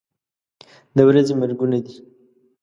د ورځې مرګونه دي.